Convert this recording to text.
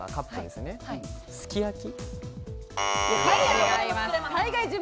すき焼き。